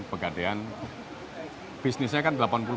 pegadaian bisnisnya kan